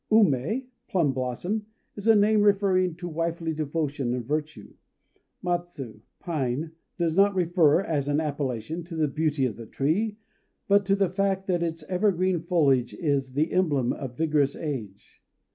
Umé (Plum blossom) is a name referring to wifely devotion and virtue. Matsu (Pine) does not refer, as an appellation, to the beauty of the tree, but to the fact that its evergreen foliage is the emblem of vigorous age.